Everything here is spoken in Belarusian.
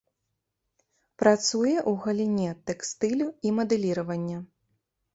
Працуе ў галіне тэкстылю і мадэліравання.